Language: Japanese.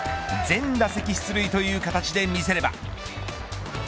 全打席出塁という形で見せれば。